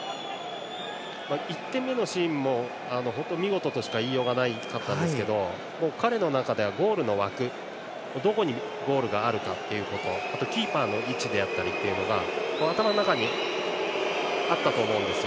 １点目のシーンも本当に見事としか言いようがないですが彼の中ではゴールの枠どこにゴールがあるかということあとキーパーの位置だったりが頭の中にあったと思うんですよ。